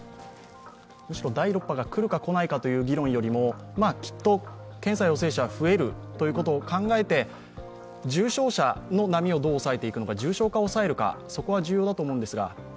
むしろ第６波が来るか来ないかという議論よりもきっと検査陽性者は増えるということを考えて、重症者の波をどう抑えるかそこは重要だと思うんですが？